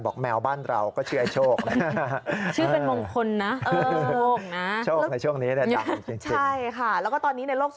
บอกแมวบ้านเราก็ชื่อโชค